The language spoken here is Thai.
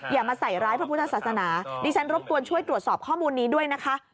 อย่ามาใส่ร้ายพระพุทธศาสนาดิฉันรบกวนช่วยตรวจสอบข้อมูลนี้ด้วยนะคะ